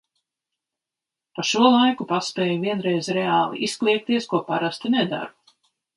Pa šo laiku paspēju vienreiz reāli izkliegties, ko parasti nedaru.